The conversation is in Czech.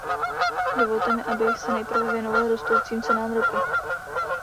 Dovolte mi, abych se nejprve věnoval rostoucím cenám ropy.